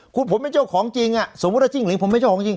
คุณผมไม่เจ้าของจริงอ่ะสมมุติถ้าจิ้งหลิงผมไม่เจ้าของจริง